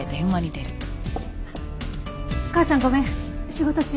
母さんごめん仕事中。